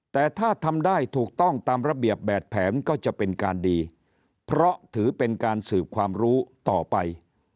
แต่ถ้าทำได้ถูกต้องตามระเบียบแบบแผนก็จะเป็นการดีเพราะถือเป็นการสืบความรู้ต่อไป